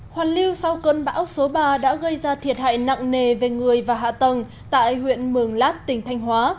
hoàn lưu sau cơn bão số ba đã gây ra thiệt hại nặng nề về người và hạ tầng tại huyện mường lát tỉnh thanh hóa